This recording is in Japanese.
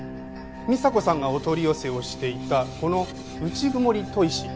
美沙子さんがお取り寄せをしていたこの内曇砥石。